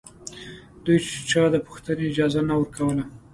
دوی ته چا د پوښتنې اجازه نه ورکوله